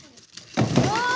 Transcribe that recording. わあ！